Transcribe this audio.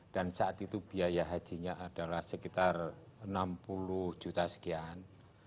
dan saat itu biaya hajinya adalah sekitar rp enam puluh juta sekian